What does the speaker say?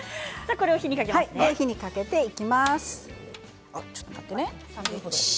これを火にかけていきます。